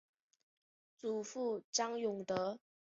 祖父张永德。